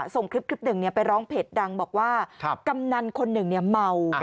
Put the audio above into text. ส่งคลิปหนึ่งไปร้องเพจดังบอกว่ากำนันคนหนึ่งเมา